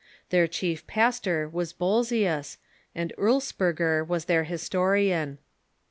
Their chief pas tor was Bolzius, and Urlsperger was their historian.